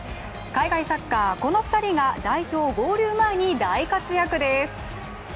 海外サッカー、この２人が代表合流前に大活躍です。